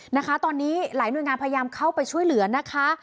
นะคะตอนนี้หลายหน่วยงานพยายามเข้าไปช่วยเหลือนะคะ